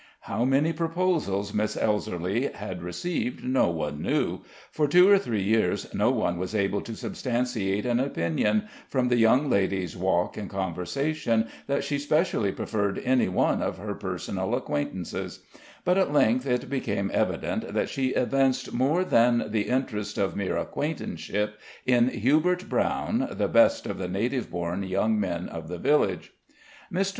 How many proposals Miss Elserly had received no one knew; for two or three years no one was able to substantiate an opinion, from the young lady's walk and conversation, that she specially preferred any one of her personal acquaintances; but at length it became evident that she evinced more than the interest of mere acquaintanceship in Hubert Brown, the best of the native born young men of the village. Mr.